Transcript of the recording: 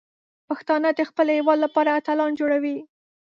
پښتانه د خپل هیواد لپاره اتلان جوړوي.